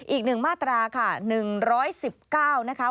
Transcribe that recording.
อีกหนึ่งมาตราค่ะ๑๑๙นะคะ